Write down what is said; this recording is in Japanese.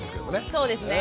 そうですね。